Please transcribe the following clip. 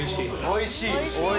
おいしい？